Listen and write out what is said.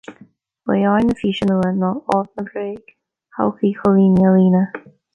Ba é aidhm na físe nua ná áit na bréagshochaí coilíní a líonadh